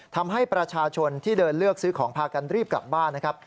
ทำให้ประชาชนที่เดินเลือกซื้อของพากันรีบกลับบ้านนะครับ